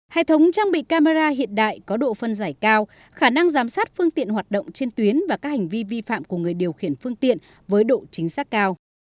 hệ thống trang bị camera hiện đại có độ phân giải cao khả năng giám sát phương tiện hoạt động trên tuyến và các hành vi vi phạm của người điều khiển phương tiện với độ chính xác cao